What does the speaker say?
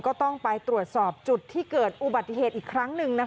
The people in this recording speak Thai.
ก็ต้องไปตรวจสอบจุดที่เกิดอุบัติเหตุอีกครั้งหนึ่ง